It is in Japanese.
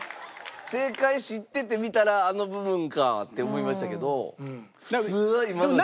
正解知ってて見たらあの部分かって思いましたけど普通は今のじゃ。